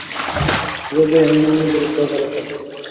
এভাবেই আমি মুমিনদের উদ্ধার করে থাকি।